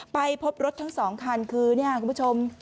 ไปพบรถทั้ง๒คันคือเนี่ยคุณผู้ชม